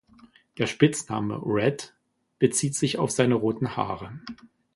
Der Spitzname „Red“ bezieht sich auf seine roten Haare.